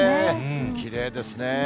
きれいですね。